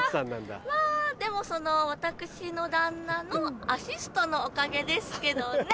まぁでもその私の旦那のアシストのおかげですけどね！